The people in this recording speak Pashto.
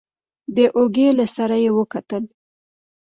د اوږې له سره يې وکتل.